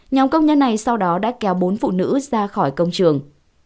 nhóm công nhân này sau đó đã kéo bốn phụ nữ ra khỏi công trường